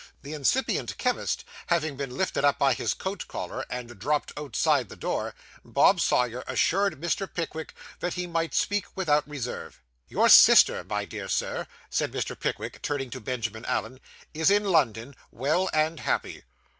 The incipient chemist having been lifted up by his coat collar, and dropped outside the door, Bob Sawyer assured Mr. Pickwick that he might speak without reserve. 'Your sister, my dear Sir,' said Mr. Pickwick, turning to Benjamin Allen, 'is in London; well and happy.